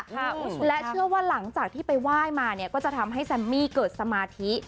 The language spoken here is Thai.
คุณผู้ชมและเชื่อว่าหลังจากที่ไปไหว้มาเนี่ยก็จะทำให้แซมมี่เกิดสมาธิ